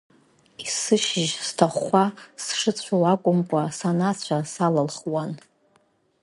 Есышьыжь, сҭахәхәа сшыцәоу акәымкәа, сан ацәа саалылхуан…